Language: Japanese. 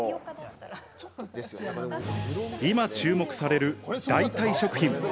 今、注目される代替食品。